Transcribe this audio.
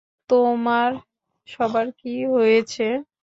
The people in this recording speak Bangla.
তোমার সবার কী হয়েছে?